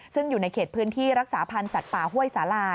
ซึ่งอยู่ในเขตพื้นที่รักษาพันธ์สัตว์ป่าห้วยสาลา